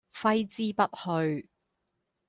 揮之不去